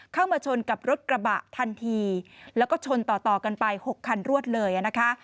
เข้ามาชนกับรถกระบะทันทีแล้วก็ชนต่อต่อกันไป๖คันรวดเลยนะคะ